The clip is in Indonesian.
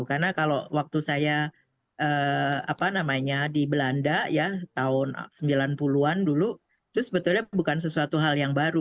karena kalau waktu saya di belanda tahun sembilan puluh an dulu itu sebetulnya bukan sesuatu hal yang baru